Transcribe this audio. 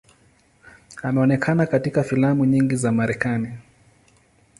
Ameonekana katika filamu nyingi za Marekani.